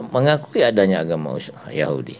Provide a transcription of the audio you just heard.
mengakui adanya agama yahudi